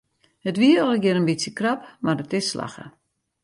It wie allegear in bytsje krap mar it is slagge.